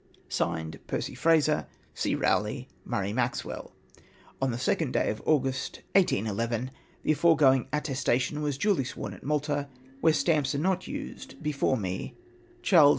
(Signed) Percy Fraser, C. Rowley, Murray Maxwell.' ' On the second day of August, 1811, the aforegoing attes tation was duly sworn at ]\Ialta, where stamps are not used, before me, Chas.